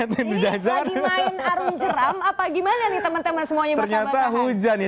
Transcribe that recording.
ini lagi main arun jeram apa gimana nih teman teman semuanya basah basahan